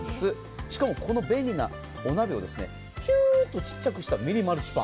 しかも、このお鍋をきゅーっと小さくしたミニマルチパン。